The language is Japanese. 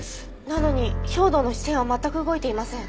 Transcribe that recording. なのに兵働の視線は全く動いていません。